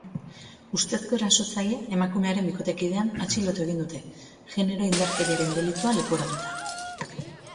Ustezko erasotzailea, emakumearen bikotekidea, atxilotu egin dute, genero-indarkeriaren delitua leporatuta.